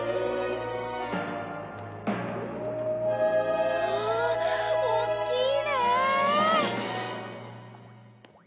うわあおっきいね！